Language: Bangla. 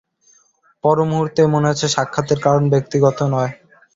পরমুহূর্তেই মনে হয়েছে সাক্ষাতের কারণ ব্যক্তিগত নয়।